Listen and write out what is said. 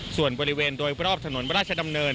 ส่วนบริเวณโดยรอบถนนพระราชดำเนิน